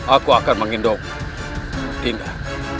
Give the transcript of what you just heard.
aku akan mengindong indah